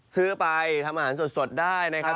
ซื้อไปหามาสดได้นะครับ